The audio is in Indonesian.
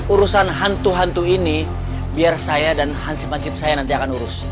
urusan hantu hantu ini biar saya dan hansip hansip saya nanti akan urus